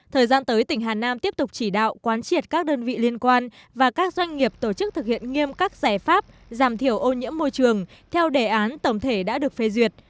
thời gian tới tỉnh hà nam tiếp tục chỉ đạo quán triệt các đơn vị liên quan và các doanh nghiệp tổ chức thực hiện nghiêm các giải pháp giảm thiểu ô nhiễm môi trường theo đề án tổng thể đã được phê duyệt